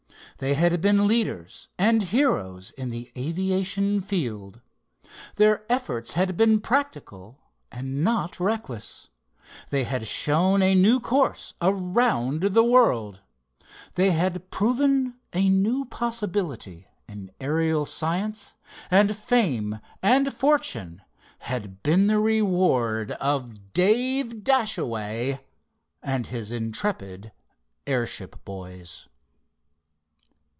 They had been leaders and heroes in the aviation field. Their efforts had been practical and not reckless. They had shown a new course around the world. They had proven a new possibility in aerial science, and fame and fortune had been the reward of Dave Dashaway and his intrepid airship boys.